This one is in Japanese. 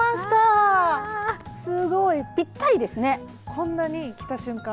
こんなに着た瞬間